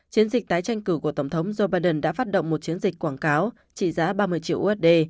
chiến dịch tái tranh cử của tổng thống joe biden đã phát động một chiến dịch quảng cáo trị giá ba mươi triệu usd